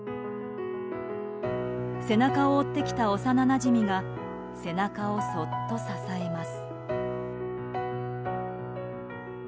背中を追ってきた幼なじみが背中をそっと支えます。